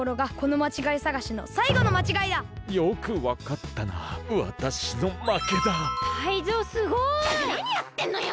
ったくなにやってんのよ！